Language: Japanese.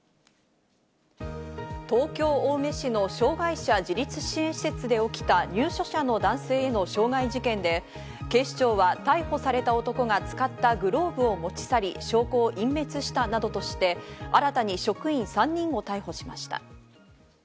東京・青梅市の障害者自立支援施設で起きた入所者の男性への傷害事件で、警視庁は逮捕された男が使ったグローブを持ち去り、証拠を隠滅したなどとして新たに職員３人を逮捕しました。